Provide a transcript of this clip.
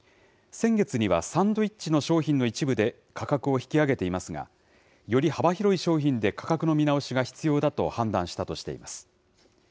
先月にはサンドイッチの商品の一部で、価格を引き上げていますが、より幅広い商品で価格の見直しが必要だと判断したとしています。